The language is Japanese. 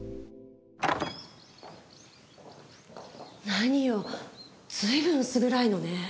何よ随分薄暗いのね。